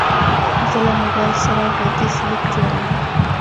زه له موبایل سره غږیز لیک جوړوم.